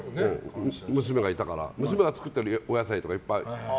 娘がいたから娘が作ってるお野菜とかいっぱい。